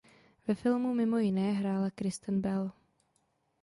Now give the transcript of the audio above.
Ve filmu mimo jiné hrála Kristen Bell.